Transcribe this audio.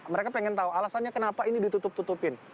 mereka pengen tahu alasannya kenapa ini ditutup tutupin